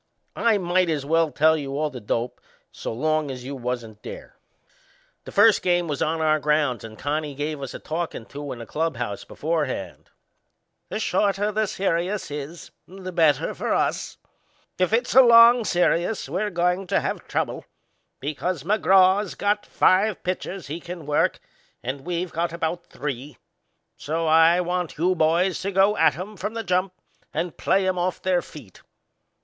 I might as well tell you all the dope, so long as you wasn't there. The first game was on our grounds and Connie give us a talkin' to in the clubhouse beforehand. "The shorter this serious is," he says, "the better for us. If it's a long serious we're goin' to have trouble, because McGraw's got five pitchers he can work and we've got about three; so I want you boys to go at 'em from the jump and play 'em off their feet.